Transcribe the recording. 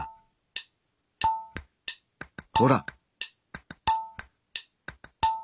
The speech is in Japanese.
ほら！